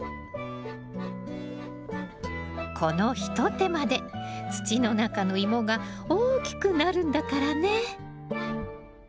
この一手間で土の中のイモが大きくなるんだからね！